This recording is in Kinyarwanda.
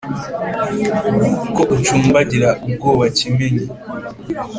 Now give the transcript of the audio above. ko ucumbagira ubwoba kimenyi